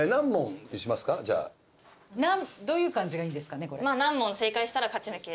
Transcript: どういう感じがいいんですかね。